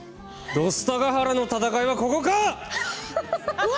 土スタが原の戦いはここか。